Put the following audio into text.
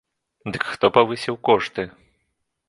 Дык хто павысіў кошты?